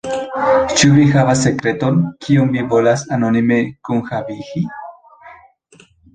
Ĉu vi havas sekreton, kiun vi volas anonime kunhavigi?